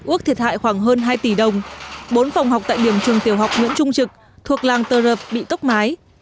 ước thiệt hại khoảng hơn hai tỷ đồng bốn phòng học tại điểm trường tiểu học nguyễn trung trực thuộc làng tờ rợp bị tốc mái